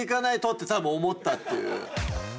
って多分思ったっていう。